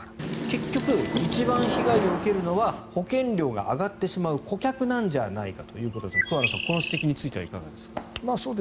結局、一番被害を受けるのは保険料が上がってしまう顧客なんじゃないかということですが桑野さん、この指摘についてはいかがでしょうか。